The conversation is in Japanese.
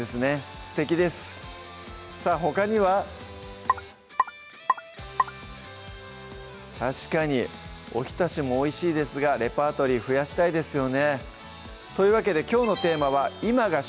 すてきですさぁほかには確かにおひたしもおいしいですがレパートリー増やしたいですよねというわけできょうのテーマは「今が旬！